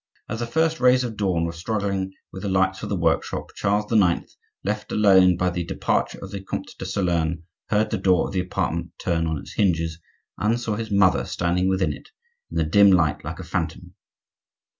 As the first rays of dawn were struggling with the lights of the workshop, Charles IX., left alone by the departure of the Comte de Solern, heard the door of the apartment turn on its hinges, and saw his mother standing within it in the dim light like a phantom.